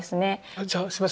じゃあすいません